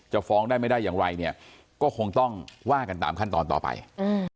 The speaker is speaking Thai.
ฟ้องได้ไม่ได้อย่างไรเนี่ยก็คงต้องว่ากันตามขั้นตอนต่อไปอืม